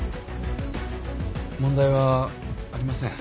問題はありません。